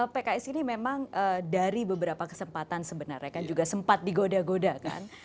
pks ini memang dari beberapa kesempatan sebenarnya kan juga sempat digoda goda kan